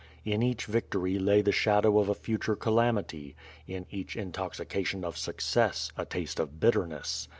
In each vctory lay the shadow of a future calamity; in each intoxi ation of success a taste of bitterness.